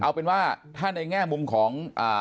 เอาเป็นว่าถ้าในแง่มุมของ